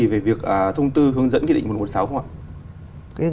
về việc thông tư hướng dẫn nghị định một trăm một mươi sáu không ạ